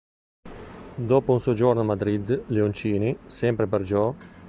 Dopo un soggiorno a Madrid, Leoncini, sempre per Gio.